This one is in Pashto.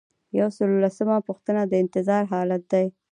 یو سل او لسمه پوښتنه د انتظار حالت دی.